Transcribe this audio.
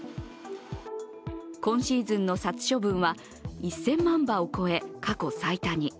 今シーズンの殺処分は１０００万羽を超え、過去最多に。